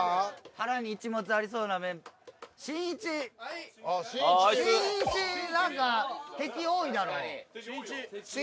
腹に一物ありそうなメンバーしんいちあっしんいちしんいち何か敵多いだろう